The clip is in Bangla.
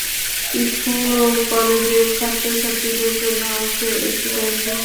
স্কুল ও কলেজের ছাত্র-ছাত্রীদের জন্য আছে একটি ক্যান্টিন।